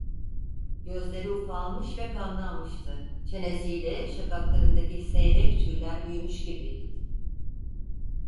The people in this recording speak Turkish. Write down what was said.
Gözleri ufalmış ve kanlanmıştı, çenesiyle şakaklarındaki seyrek tüyler büyümüş gibiydi.